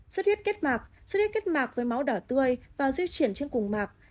xuất huyết kết mạc xuất huyết kết mạc với máu đỏ tươi và di chuyển trên cùng mạc